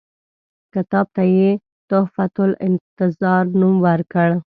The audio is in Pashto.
کتاب ته یې تحفته النظار نوم ورکړ.